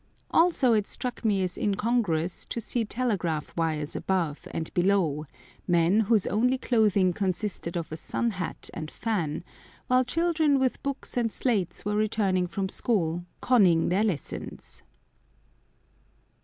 Also it struck me as incongruous to see telegraph wires above, and below, men whose only clothing consisted of a sun hat and fan; while children with books and slates were returning from school, conning their lessons.